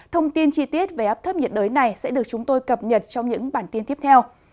thông tin chi tiết về áp thấp nhiệt đới này sẽ được chúng tôi cập nhật trong những bản tin tiếp theo